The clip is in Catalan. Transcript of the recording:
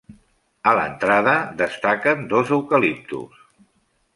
A l'entrada destaquen dos eucaliptus.